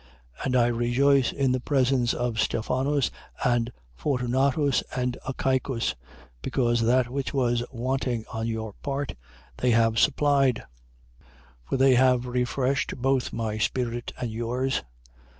16:17. And I rejoice in the presence of Stephanus and Fortunatus and Achaicus: because that which was wanting on your part, they have supplied. 16:18. For they have refreshed both my spirit and yours.